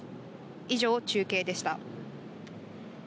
以上、中継でした。